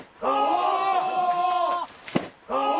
ああ！